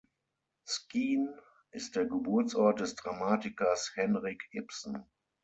Skien ist der Geburtsort des Dramatikers Henrik Ibsen.